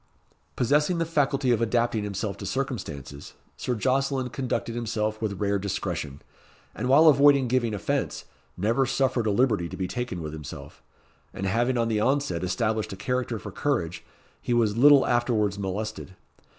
Possessing the faculty of adapting himself to circumstances, Sir Jocelyn conducted himself with rare discretion; and while avoiding giving offence, never suffered a liberty to be taken with himself; and having on the onset established a character for courage, he was little afterwards molested.